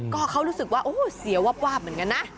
ก็เขารู้สึกว่าโอ้เสียวาบเหมือนกันนะ